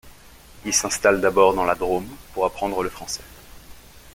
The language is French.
Il s'installe d'abord dans la Drôme pour apprendre le français.